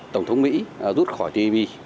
tổng thống mỹ rút khỏi tpp